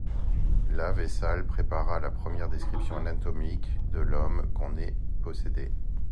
Là, Vésale prépara la première description anatomique de l'homme qu'on ait possédée.